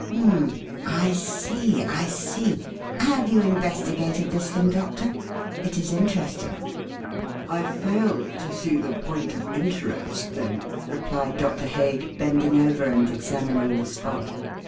"Hum m m! I see, I see! Have you investigated this thing, Doctor? It is interesting." "I fail to see the point of interest, then," replied Doctor Hague, bending over and examining the spot.